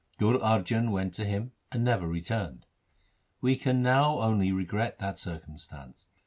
Guru Arjan went to him and never re turned. We can now only regret that circumstance.